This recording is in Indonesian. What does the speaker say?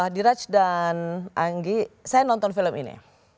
diraj dan anggi saya nonton film ini